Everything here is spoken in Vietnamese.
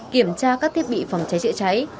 kiểm tra các thiết bị phòng cháy chữa cháy